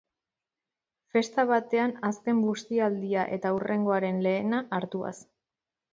Festa batean azken bustialdia eta hurrengoaren lehena hartuaz.